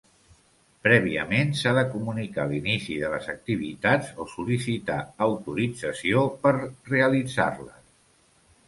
Prèviament s'ha de comunicar l'inici de les activitats o sol·licitar autorització per realitzar-les.